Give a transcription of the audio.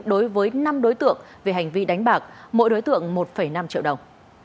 đối với năm đối tượng về hành vi đánh bạc mỗi đối tượng một năm triệu đồng